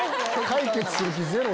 解決する気ゼロ。